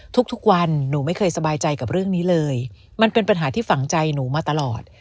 ทุกวันหนูไม่เคยสบายใจกับเรื่องนี้เลยมันเป็นปัญหาที่ฝังใจหนูมาตลอด